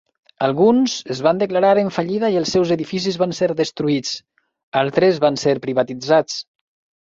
Alguns es van declarar en fallida i els seus edificis van ser destruïts; altres van ser privatitzats.